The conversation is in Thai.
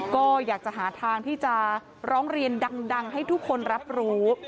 ก็อยากจะหาทางที่จะร้องเรียนดังให้ทุกคนรับรู้